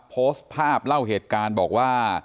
โพสต์ภาพเล่าเหตุการณ์บอกว่า